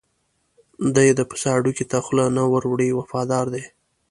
دی د پسه هډوکي ته خوله نه ور وړي وفادار دی.